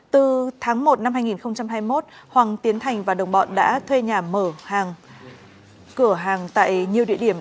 cuộc năm hai nghìn hai mươi một hoàng tiến thành và đồng bọn đã thuê nhà mở hàng cửa hàng tại nhiều địa điểm